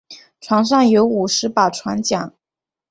船上有五十把船浆。